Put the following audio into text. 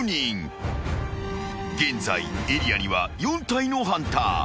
［現在エリアには４体のハンター］